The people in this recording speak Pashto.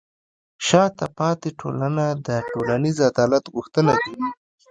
شاته پاتې ټولنه د ټولنیز عدالت غوښتنه کوي.